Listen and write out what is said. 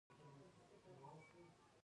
آزاد تجارت مهم دی ځکه چې ساینسي آلات راوړي.